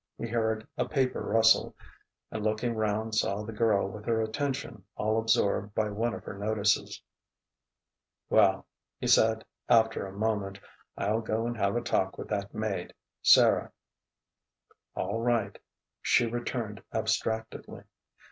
He heard a paper rustle, and looking round saw the girl with her attention all absorbed by one of her notices. "Well," he said after a moment, "I'll go and have a talk with that maid, Sara." "All right," she returned abstractedly.